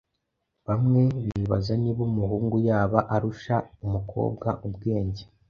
Bamwe bibaza niba umuhungu yaba arusha umukobwa ubwenge